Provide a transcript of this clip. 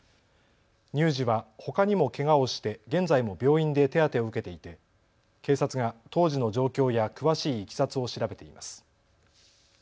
乳児はほかにもけがをして現在も病院で手当てを受けていて警察が当時の状況や詳しいいきさつを調べています。